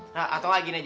nah atau lagi nih